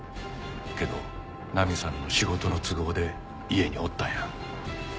けどナミさんの仕事の都合で家におったんや。